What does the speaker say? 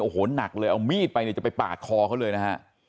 โอ้โหหนักเลยเอามีดไปเนี่ยจะไปปาดคอเขาเลยนะฮะ